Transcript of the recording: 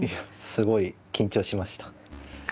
すごい緊張しました。